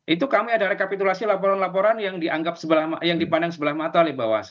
itu kami ada rekapitulasi laporan laporan yang dipandang sebelah mata oleh bawaslu